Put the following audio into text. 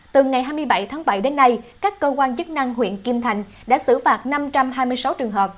từ ngày hai mươi bảy tháng bảy đến nay các cơ quan chức năng huyện kim thành đã xử phạt năm trăm hai mươi sáu trường hợp